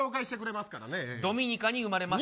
ドミニカに生まれました。